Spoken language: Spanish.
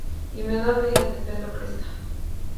Y en menor medida de Pedro Cresta.